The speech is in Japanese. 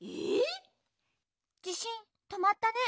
じしんとまったね。